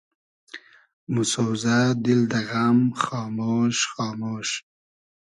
موسۉزۂ دیل دۂ غئم خامۉش خامۉش